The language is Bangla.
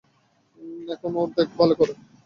এখন ওর দেখভাল করো।